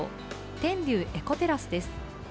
天竜エコテラスです。